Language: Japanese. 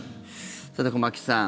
さて、駒木さん